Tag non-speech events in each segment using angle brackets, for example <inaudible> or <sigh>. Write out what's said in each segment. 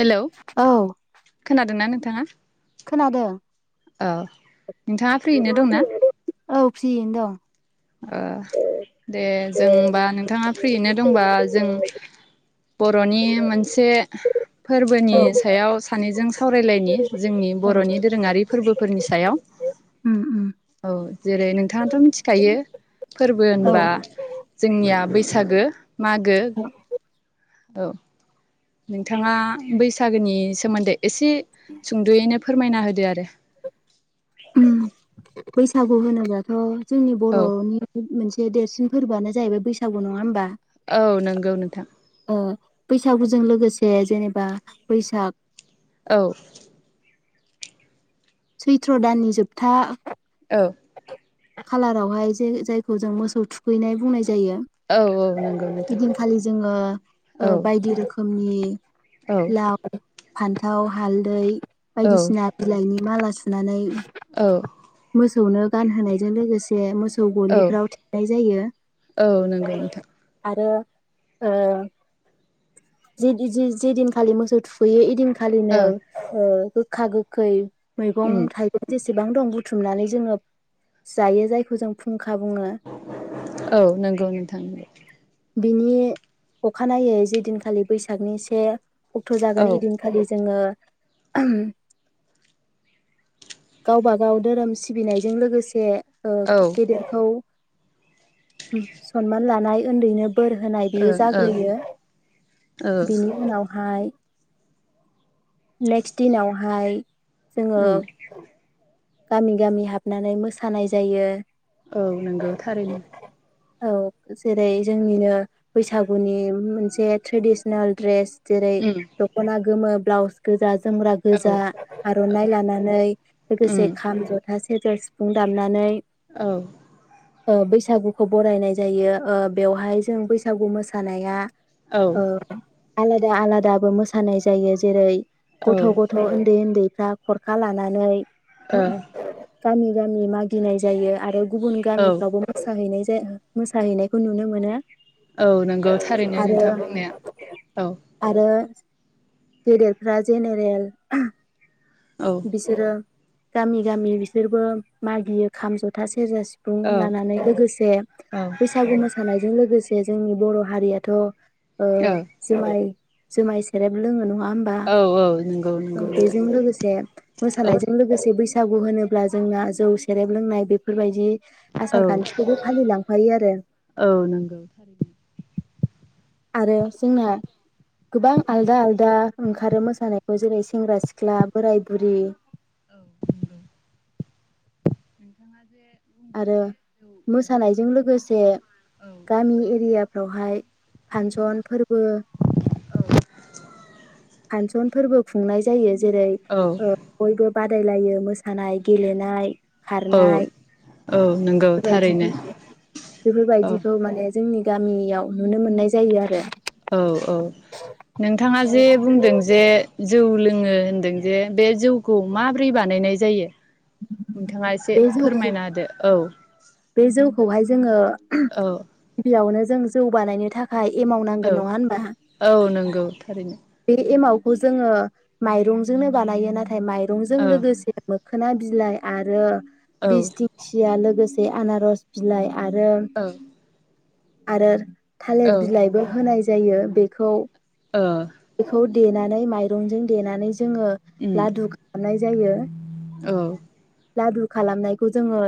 हेल' औ खोनादोंना नोंथां? खोनादों थांङा? औ। नोंथाङा फ्रियैनो दंना? औ फ्रियैनो दं। ओ दे जों ओमबा नोंथाङा फ्रियैनो दं। दंबा जों बर'नि मोनसे फोरबोनि औ सायाव सानैजों सावरायलायनि जोंनि औ बर'नि दोरोङारि फोरबोफोरनि सायाव उम उम औ। जेरै नोंथाङाथ' मिथिखायो? फोरबो औ होनबा जोंनिया बैसागो मागो। औ। नोंथाङा बैसागोनि सोमोन्दै एसे सुंद'यैनो फोरमायना होदो आरो। उम बैसागु होनोबाथ' जोंनि औ बर'नि मोनसे बे देरसिन फोरबोआनो जाहैबाय बैसागु नङा होमबा? औ नंगौ नोंथां। अ बैसागुजों लोगोसे जेनेबा बैसाग औ। सैथ्र' दाननि जोबथा औ। खालारावहाय जे जायखौ जों मोसौ थुखैनाय बुंनाय जा जायो औ औ नंगौ नोंथां इदिनखालि जोङो ओ औ बायदि रोखोम नि औ लाव फान्थाव हालदै औ बायदिसिना बिलाइनि माला सुनानै औ। सौनो गानहोनायजों लोगोसे मोस सौ औ गलिफ्राव थिबनाय जायो औ नंगौ नोंथां आरो ओ जे दिन खालि मोसौ थुखैयो एदिन खालिनो औ ओ गोखा गोखै। मैगं उम थाइगं बेसे बेसेबां दं बुथुमनानै जोङो जायो जायखौ जों फुं औ नोंगौ नोंथां बिनि अखानायै जेदिनखालि बैसागनि से अक्ट जागोन एदिनखालि जोङो ओहम गावबा गाव धोरोम सि सिबिनायजों लोगोसे ओ औ गेदेरखौ सनमान लानाय उन्दैनो बोर होनाय बियो ओं जाग्रोयो ओं ओ बिनि उनावहाय नेक्सट दिनावहाय जोङो उम गामि गामि हाबनानै मोसानाय जायो औ नंगौ थारैनो औ जेरै जोंनिनो बैसागुनि मोनसे ट्रेडिस्नेल ड्रेस जेरै उम दखना गोमो ब्लाउस गोजा जोमग्रा गोजा औ औ आर'नाइ लानानै उम लोगोसे जथा सेजेर सिफुं दामनानै औ बैसागुखौ बरायनाय जायो ओ बेवहाय जों बैसागु मोसानाया। औ आलादा आलादाबो मोसानाय जायो जेरै। गथ' ओ गथाय उन्दै उन्दै खरखा लानानै <unintelligible> गामि गामि मागिनाय जायो आरो गुबुन औ गामिफ्रावबो मोसाहैनाय। जे मोसाहैनायखौ नुनो मोनो। औ नंगौ थारैनो आरो नोंथाङा बुंनाया औ गेदेर फोरा जेनेरेल। औ बिसोरो गामि गामि बिसोरबो मागियो खाम जथा से सेरजा सिफुं औ लानानै लोगोसे औ बैसागु मोसानायजों लोगोसे जे जोंनि बर' हारियाथ' ओ औ जोंमाइ जुमाय सेरेब लोङो नङा नङा औ नंगौ होमबा नंगौ नोंथां बेजों लोगोसे औ मोसानायजों बे बैसागु होनोब्ला जोंना जौ सेरेब लोंनाय बेफोरबायदि औ आसार खान्थिखौबो फालिलांफायो आरो। औ नंगौ आरो जोंना गोबां आलदा आलदा ओंखारो मोसानायखौ जेरै सेंग्रा सिख्ला बोराय बुरि औ। नोंथाङा जे आरो मोसानायजों लोगोसे गामि एरियाफ्रावहाय फांसन फोरबो फांसन फोरबो खुंनाय जायो जेरै औ ओ बयबो बा दायलायो मोसानाय गेलेनाय औ खारनाय औ नंगौ बेफोरबायदि थारैनो औ बेफोरबायदिखौ माने जोंनि गामियाव नुनो मोननाय जायो आरो। औ औ नोंथाङा जे बुंदों जे। जौ लोङो होनदों जे बे जौखौ माबोरै बानायनाय जायो? नोंथाङा एसे बे जौखौ फोरमायना होदो औ। बे जौखौहाय जोङो औ <unintelligible> बियावनो जों जौ बानायनो था औ औ नंगौ थारैनो। बे एमावखौ जोङो माइरंजोंनो बानायो नाथ नाथाय माइरंजों औ लोगोसे मो खोना बिलाइ आरो औ बिस दिंखिया लो लोगोसे आनारस बिलाइ आरो औ आरो औ थालिर बिलाइबो होनाय जायो बेखौ ओ। बेखौ देनानै माइरंजों देनानै जोङो उम लादु रायनाय जायो। औ लादु खालामनायखौ जोङो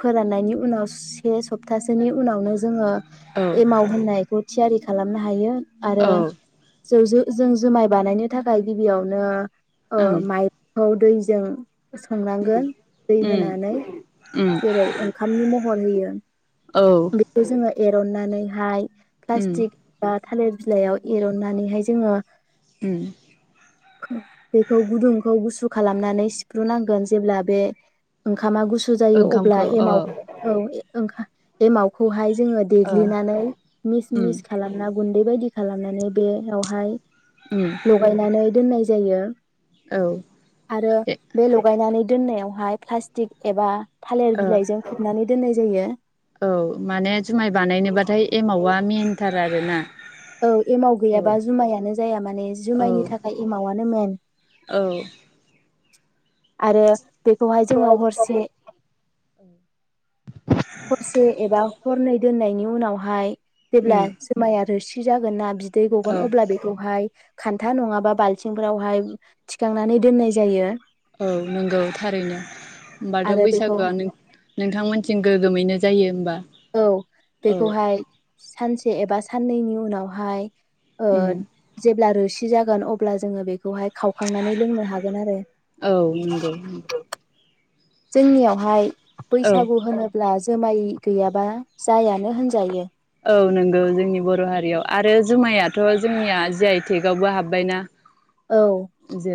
फोराननायनि उनाव से सप्तासेनि उनावनो जोङो औ एमावहोनाय थियारि खालामनो हायो। औ आरो ओं जों जो-जों जुमाय बानायनो थाखाय गिबियावनो उम ओम माइ दैजों संनांगोन दै उम होनानै, उम जेरै ओंखामनि महर होयो औ बेखौ जोङो एरन्नानैहाय उम प्लाटक बा थालिर बिलाइयाव एरन्नानैहाय जोङो उम बेखौ गुदुंखौ गुसु खालामनानै सिफ्रुनांगोन जेब्ला बे ओंख खामा गुसु जायो अब्ला ओंखामखौ औ एमाव औ ओंखा एमावखौहाय जोङो ओ देग्लिनानै मिस उम मिस खालामना गुन्दै बायदि खालामनानै बेयावहाय उम लगायनानै दोननाय जायो। औ आरो ए बे लगायनानै दोननायावहाय प्लास्टिक एबा थालिर ओ बिलाइजों खोबनानै दोननाय जायो। औ माने जुमाय बानायनोबाथाय एमावा मेेनथार आर <unintelligible> औ एमाव गैयाबा जुमायानो जाया माने औ जुमायनि थाखाय एमावआनो मेन। औ आरो बेखौहाय जोङो हरसे हरसे एबा हरनै दोननायनि। उनावहाय जेब्ला उम जुमाया रोसि जागोन ना बि दै औ गगोन अब्ला बेखौहाय खान्था नङाबा बाल्थिंफोरावहाय थिखांनानै दोननाय जायो। औ नंगौ थारैनो होमबाथ' आरो बेखौ बैसागुआनो नोंथांमोन थिं गोगोमैनो जायो होमबा। औ औ बेखौहाय। सानसे एबा साननैनि उनावहाय ओ उम जेब्ला रो सि जागोन अब्ला जोङो बे खौहाय खावखांनानै लोंनो हागोन आरो। औ नंगौ जोंनियावहाय। औ बैसागु होनोब्ला जुमाय गैयाबा जायानो होनजायो। औ नंगौ जोंनि बर' हारियाव आरो जुमायाथ' जोंनिया जि आइ थेकावबो हाबबायना। औ।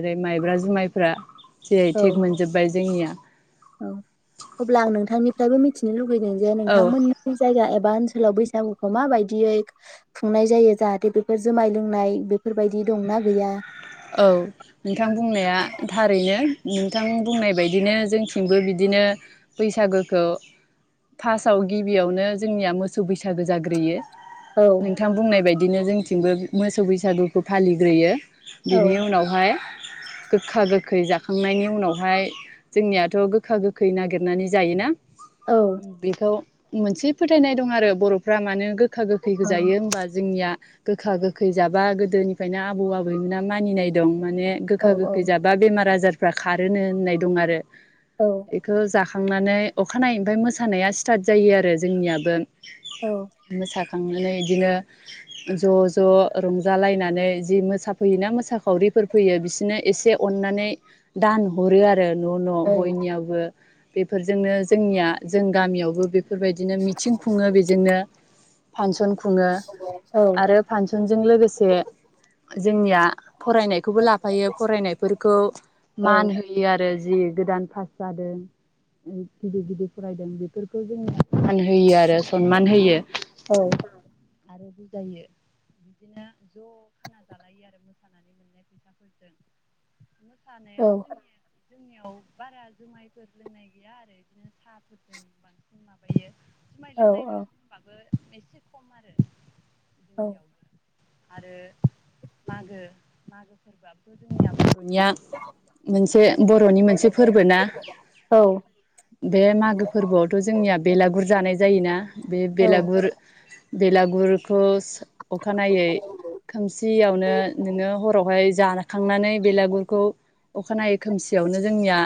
ओेरै माइब्रा जुमायफ्रा जि आइ औ टेक मोनजोबबाय जोंनिया। औ अब्ला आं नोंथांनिफ्रायबो मिथिनो लु बैदोंजे औ नोंथांमोननि जायगा एबा ओन सोलाव बैसागुखौ माबायदियै खुंनाय जायो जाहाथे बेफोर जुमाय लोंनाय बेफोरबायदि दंना गैया? औ नोंथां बुंनाया थारैनो नोंथां बुंनाय बायदिनो जोंथिंबो बिदिनो बैसागोखौ फार्स्टआव गिबियावनो जोंनिया मोसौ बैसागो जाग्रोयो। औ नोंथां बुंनाय बाय बिदिनो जोंथिंबो मोसौ बैसागुखौ फालिग्रोयो औ बिनि उनावहाय गोखा गोखै जाखांनायनि उनावहाय जोंनियाथ गोखा गोखै नागिरनानै जायोना? औ बेखौ मोनसे फोथायनाय दं आरो ब'फ्रा मानो? गोखा गोखै औ गोजायो होनोमबा जोंनिया? गोखा गोखै जाबा गोदोनिफ्रायनो आबौ आबैमोना मानिनाय दं माने गोखा गोखै औ जाबा बेमार आजार फ्रा खारोनो होननाय दं आरो औ एखो जाख खांनानै अखानायैनिफ्राय मोसानाया स्टार्ट जायो आरो जोंनियाबो मोसा थांनानै बिदिनो ज ज रंजालायनानै जि मोसा फैयोना मोसाखावरिफोर फैयो बिसोरनो एसे अननानै दान हरो आरो आरो न न औ बयनियावबो बेफोरजोंनो जोंनिया जों गामियावबो बेफो बेफोरबायदिनो मिथिं खुङो बेजोंनो फांसन खुङो औ आरो फांसनजों लोगोसे जोंनिया फरायनायखौबो लाफायो फरायनायफोरखौ मान औ होयो आरो जि गोदान पास जादों गिदिर गिदिर फरायदों बेफोरखौ जोंनिया मान होयो आरो सनमान औ होयो आरो बुजायो बिदिनो ज खाना <unintelligible> आरो मोसानानै औ थानायाव जोंनि जोंनियाव बारा जुमायफोर लोंनाय गैया आरो बिदिनो साहाफोरजों बांसिन माबायो जुमाय औ लोंनाय दं होनबाबो। एसे खम आरो जोंनियावबो <unintelligible> आरो मागो मागो फोरबोआ गोदो जोंनिया बर'निया मोनसे बर'नि मोनसे फोरबो ना औ बे मागो फोरबोआवथ' जोंनिया बेलागुर जानाय जायोना बे औ बेलागुर बेलागुरखौ अखानायै खोमसियावनो नोङो हरावहाय जाखांनानै बेलागुर <unintelligible> अखानायै खोमसियावनो जोंनिया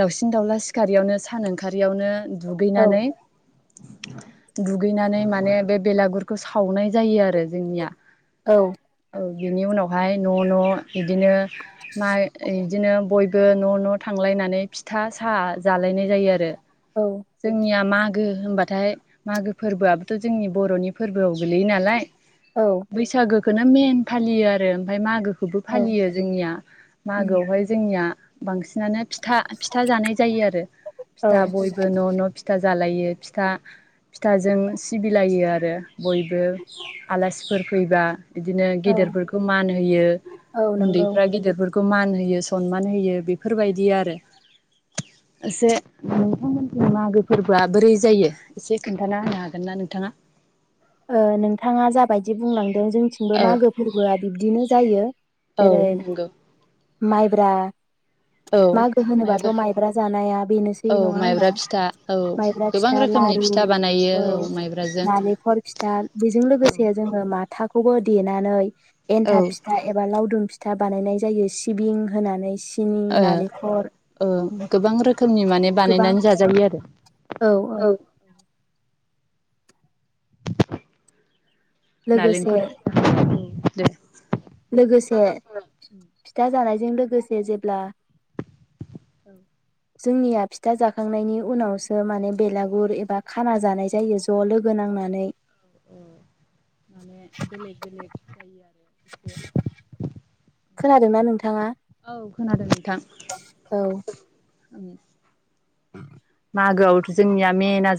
दाउसिन दाउला सिखारारियावनो सान ओंखारारियावनो औ दुगैनानै दुगैनानै माने बे बेलागुरखौ सावनाय जायो आरो जोंनिया । औ बिनि उनावहाय न' न' बिदिनो माइ बिदिनो बयबो खौ न' न' थांलायनानै फिथा साहा जालायनाय जायो आरो औ जोंनिया मा गो होनोमबाथाय मागो फोरबोआबोथ' जोंनि बर'नि फोरबोआव गोलैयो नालाय बैसागोखौनो मेन फालियो आरो ओमफफ्राय मागोखौबो औ फालियो जोंनिया उम मागोआवहाय जोंनिया बांसिनानो फि था फिथा जानाय जायो आरो औ फिथा बयबो न' न' फिथा जालायो । फिथा फिथाजों सिबिलायो आरो बयबो आलासि फैबा बिदिनो औ गेदेरफोरखौ मान होयो औ नंगौ उन्दैफ्रा गेदेरफोरखौ खौ मान होयो सनमान होयो बेफोरबायदि आरो एसे मागो फोरबो बोरै जायो एसे खोन्थाना होनो हागोनना नोंथांङा? ओ नोंथांङा जाबायदि बुंलांद जोंथिंबो औ मागो फोरबोआ बिब्दिनो जायो औ जेरै नंगौ माइब्रा। औ मागो होनोबाथ' माइबा माइब्रा जानाया बेनोसै औ नङा होनबा माइब्रा फिथा औ माइब्रा गोबां फिथा रोखोमनि लारु फिथा बानायो औ माइब्राजों नालेंखल फिथा। बेजों लोगोसे जोङो मा माथाखौबो देनानै। औ एन्था फिथा एबा लाव गुदुं फिथा बानायनाय जायो सिबिं होनानै। सिनि नालेंखर ओ गोबां रोखोमनि माने गोबां बानायनानै जाजायो आरो। औ औ। लोगोसे नालिंखर दे लोगोसे फिथा जानाय बेजों लोगोसे जेब्ला औ जोंनिया फिथा जाखांनायनि उनावसो माने बेलागुर एबा खाना जानाय जायो ज' लोगो नांनानै। ओ माने बेलेग बेलेग जायो आरो एसे, खोनादोंना नोंथाङा? औ खोनादों नों औ। आंङो।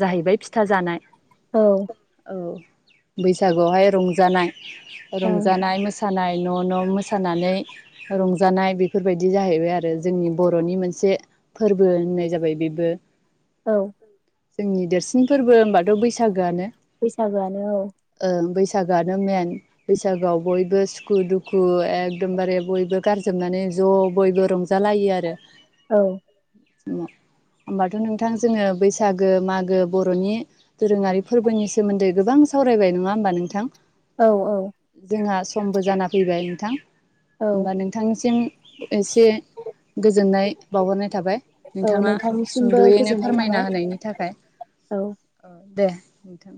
जाहैबाय फिथा जानाय, औ औ बैसागुवावहाय रंजानाय ओं रंजानाय मोसा नाय न न मोसानानै रंजानाय बेफोरबायदि जाहैबाय आरो जोंनि बरनि मोनसे फोरबो होननाय जाबाय बेबो। औ। जोंनि देरसिन फोरबो होमबाथ' बैसागोआनो बैसागोआनो औ <inaudible> ओ बैस बैसागोआनो मेन बैसागोआव बयबो सुखु दुखु एखदमबारे बयबो गारजोबनानै ज' बयबो रंजालायो आरो औ। <unintelligible> <unintelligible> नोंथां जोङो बैसागो मागो बर'नि दोरोङारि फोरबोनि सोमोन्दै गोबां सावरायबाय नङा होमबा नोंथां? औ औ जोंहा समबो जाना फैबाय नोंथां। औ होमबा नोंथांनिसिम एसे गोजोननाय बावहरनाय थाबाय औ नोंथाङा नोंथांनिसिमबो सुंदयैनो गोजोननाय फोरमायना थाबाय होनायनि थाखाय औ दे नोंथां।